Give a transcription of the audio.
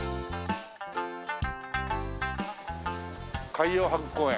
海洋博公園